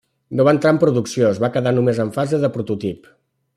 No va entrar en producció, es va quedar només en fase de prototip.